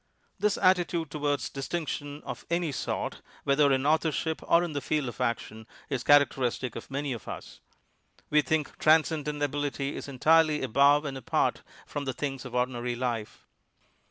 This attitude towards distinction of any sort, whether in authorship or in the field of action, is characteristic of many of us. We think transcendent ability is entirely above and apart from the things of ordinary life.